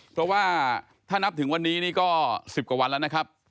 เพราะว่าถ้านับถึงวันนี้นี่ก็๑๐กว่าวันแล้วนะครับ